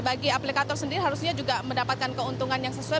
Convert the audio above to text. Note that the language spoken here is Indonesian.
bagi aplikator sendiri harusnya juga mendapatkan keuntungan yang sesuai